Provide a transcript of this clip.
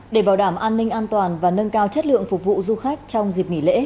để bảo đảm an ninh an toàn và nâng cao chất lượng phục vụ du khách trong dịp nghỉ lễ